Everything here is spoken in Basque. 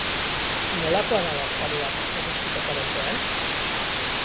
Nolakoa da bazkari bat eguzkitakoaren pean?